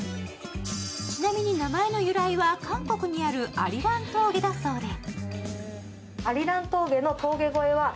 ちなみに名前の由来は韓国にあるアリラン峠だそうで。